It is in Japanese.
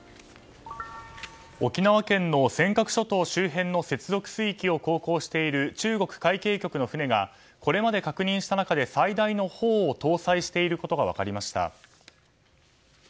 沖縄県の尖閣諸島周辺の接続水域を航行している中国海警局の船がこれまでに確認された中で最大の砲を搭載していることが分かりました。